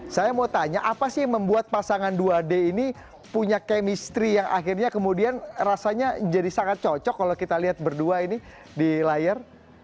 saya mau tanya apa sih yang membuat pasangan dua d ini punya chemistry yang akhirnya kemudian rasanya jadi sangat cocok kalau kita lihat berdua ini di layar